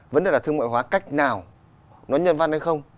vấn đề là thương mại hóa cách nào nó nhân văn hay không